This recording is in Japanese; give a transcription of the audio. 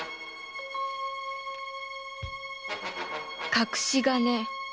「隠し金。